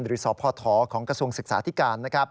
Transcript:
หรือสพของกระทรวงศึกษาธิการ